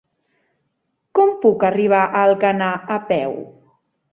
Com puc arribar a Alcanar a peu?